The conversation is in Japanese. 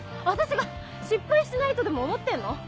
私が失敗しないとでも思ってんの？